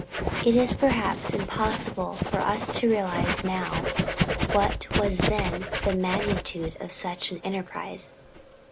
It is perhaps impossible for us to realize now what was then the magnitude of such an enterprise.